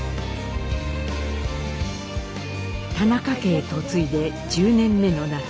田中家へ嫁いで１０年目の夏。